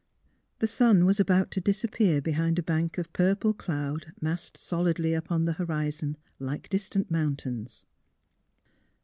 The sun was about to disap pear behind a bank of purple cloud massed solidly upon the horizon like distant mountains.